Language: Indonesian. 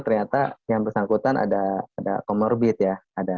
ternyata yang bersangkutan ada comorbid ya